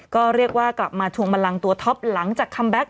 ก็เรียกว่ากลับมาทวงบันลังตัวท็อปหลังจากคัมแก๊ค